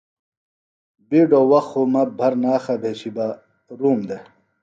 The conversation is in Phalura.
بِیڈوۡ وخت خوۡ مہ بھرناخہ بھیشیۡ بہ روم دےۡ